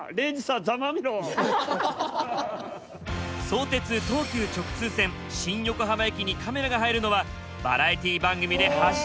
相鉄・東急直通線新横浜駅にカメラが入るのはバラエティー番組で初めて。